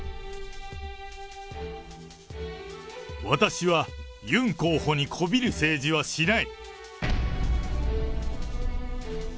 私はユン候補にこびる政治はしない。